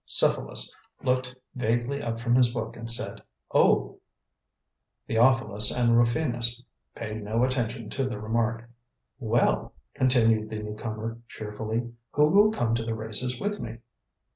Cephalus looked vaguely up from his book and said: "Oh!" Theophilus and Rufinus paid no attention to the remark. "Well," continued the new comer cheerfully, "Who will come to the races with me?"